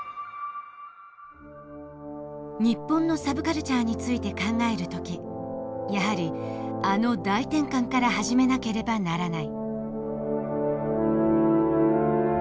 日本のサブカルチャーについて考える時やはりあの大転換から始めなければならない。